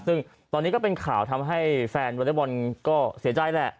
ซึ่งตอนนี้ก็เป็นข่าวทำให้แฟนวอเล็กบอลก็เสียใจแหละ